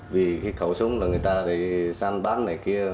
vì cái khẩu súng là người ta đi săn bán này kia